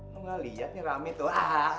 lo nggak lihat nih rami tuh